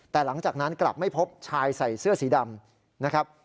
แต่หลังจากนั้นกลับไม่พบชายใส่เสื้อสีดำนะครับ